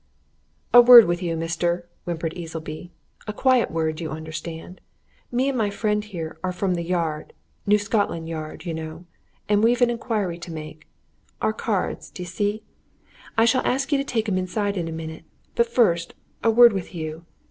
"A word with you, mister," whimpered Easleby. "A quiet word, you understand. Me and my friend here are from the Yard New Scotland Yard, you know, and we've an inquiry to make. Our cards, d'ye see? I shall ask you to take 'em inside in a minute. But first, a word with you.